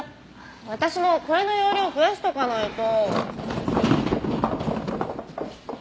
私もこれの容量増やしとかないと。